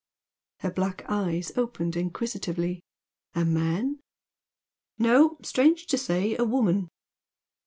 Her black eyes opened inquisitively. "A man?" "No. Strange to say, a woman."